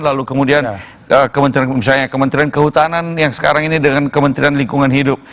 lalu kemudian misalnya kementerian kehutanan yang sekarang ini dengan kementerian lingkungan hidup